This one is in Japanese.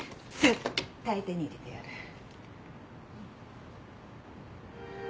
絶対手に入れてやる。